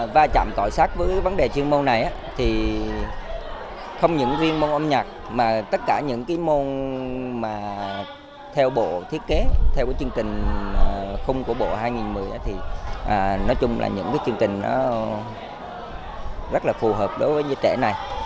và chạm cọ sát với vấn đề chuyên môn này thì không những riêng môn âm nhạc mà tất cả những cái môn mà theo bộ thiết kế theo cái chương trình khung của bộ hai nghìn một mươi thì nói chung là những cái chương trình nó rất là phù hợp đối với giới trẻ này